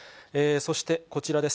そしてこちらです。